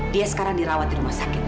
dia sekarang dirawat di rumah sakit